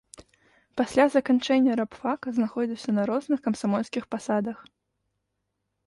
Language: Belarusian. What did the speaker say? Пасля заканчэння рабфака знаходзіўся на розных камсамольскіх пасадах.